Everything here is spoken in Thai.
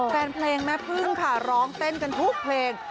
แฟนเพลงแม่พึ่งค่ะร้องเต้นกันทุกเพลง